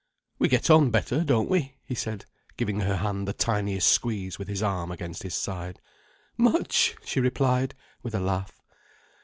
"We get on better, don't we?" he said, giving her hand the tiniest squeeze with his arm against his side. "Much!" she replied, with a laugh.